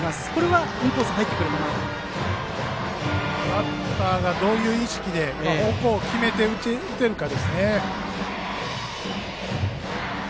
バッターがどういう意識で方向を決めて打てるかですね。